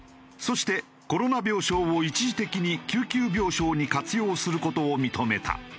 そしてコロナ病床を一時的に救急病床に活用する事を認めた。